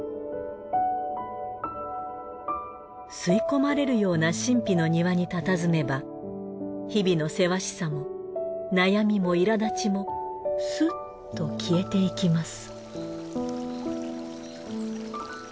吸い込まれるような神秘の庭にたたずめば日々のせわしさも悩みも苛立ちもすっと消えていきます。